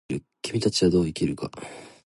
君たちはどう生きるか。